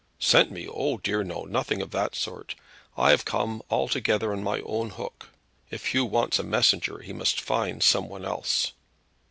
"Sent me! oh dear no; nothing of that sort. I have come altogether on my own hook. If Hugh wants a messenger he must find some one else.